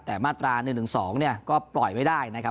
แต่มาตรา๑๑๒เนี่ยก็ปล่อยไม่ได้นะครับ